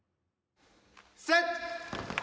セット！